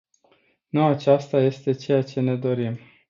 Nu aceasta este ceea ce ne dorim.